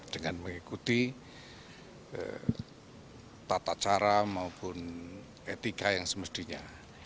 dengan mengikuti tata cara maupun etika yang semestinya